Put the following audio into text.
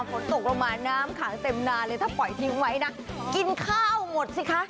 ฝนตกลงมาน้ำขังเต็มนาเลยถ้าปล่อยทิ้งไว้นะกินข้าวหมดสิคะ